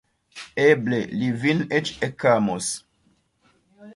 Eble, li vin eĉ ekamos.